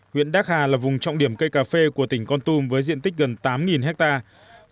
huyện đắc hà là vùng trọng điểm cây cà phê của tỉnh con tum với diện tích gần tám hectare